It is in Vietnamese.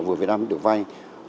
vừa về năm được vay